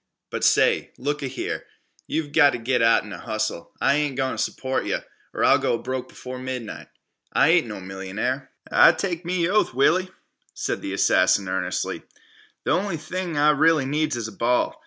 But say, look a here, you've gota git out an' hustle. I ain't goin' t' support yeh, or I'll go broke b'fore night. I ain't no millionaire." "I take me oath, Willie," said the assassin earnestly, "th' on'y thing I really needs is a ball.